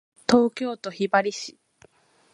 東京都雲雀市